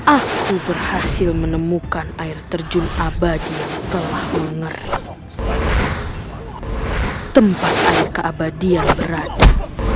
aku berhasil menemukan air terjun abadi telah mengeri tempat air keabadian berada